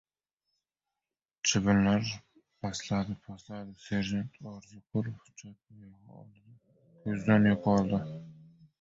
Chibinlar pastladi-pastladi, serjant Orziqulov chap oyog‘i oldida ko‘zdan yo‘qoldi.